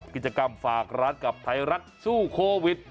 กิจกรรมฝากร้านกับไทยรัฐสู้โควิด